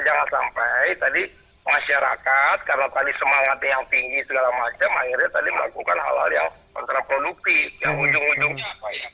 jangan sampai tadi masyarakat karena tadi semangatnya yang tinggi segala macam akhirnya tadi melakukan hal hal yang kontraproduktif yang ujung ujungnya